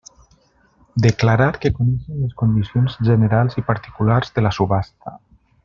Declarar que coneixen les condicions generals i particulars de la subhasta.